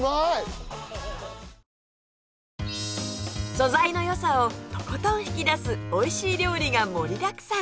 素材の良さをとことん引き出すおいしい料理が盛りだくさん